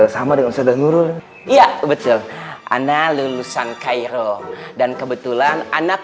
sama dengan saudara nurul iya betul anak lulusan cairo dan kebetulan anak